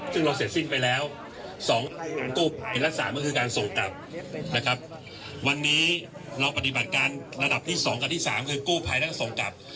ซึ่งเราเสร็จสิ้นไปแล้วสองการกู้ไผลและสามก็คือการส่งกลับนะครับวันนี้เราปฏิบัติการระดับที่สองการที่สามคือกู้พัยและส่งกลับ